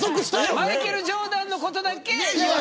マイケル・ジョーダンのことだけ。